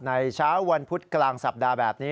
เช้าวันพุธกลางสัปดาห์แบบนี้